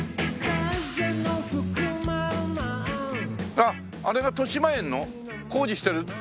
あっあれがとしまえんの工事してる中？